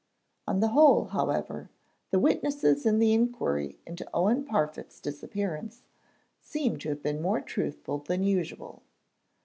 On the whole, however, the witnesses in the inquiry into Owen Parfitt's disappearance seem to have been more truthful than usual.